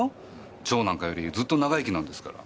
蝶なんかよりずっと長生きなんですから。